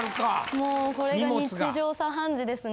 もうこれが日常茶飯事ですね。